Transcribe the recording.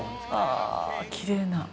ああきれいな。